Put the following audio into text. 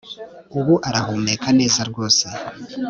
Ubu arahumeka neza rwose